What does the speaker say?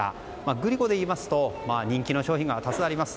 グリコでいいますと人気の商品が多数あります。